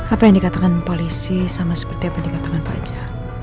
apa yang dikatakan polisi sama seperti apa yang dikatakan pak ja